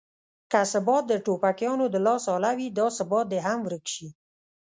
که ثبات د ټوپکیانو د لاس اله وي دا ثبات دې هم ورک شي.